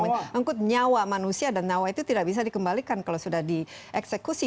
menyangkut nyawa manusia dan nyawa itu tidak bisa dikembalikan kalau sudah di eksekusi